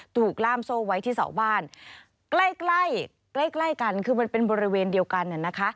ถูกล่ามโซ่ไว้ที่เสาร์บ้านใกล้กันมันเป็นบริเวณเดียวกันนะคะ